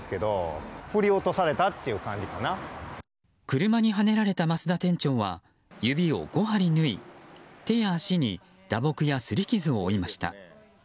車にはねられた増田店長は指を５針縫い手や足に打撲やすり傷を負いました。